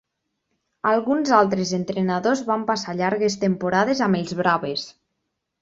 Alguns altres entrenadors van passar llargues temporades amb els Braves.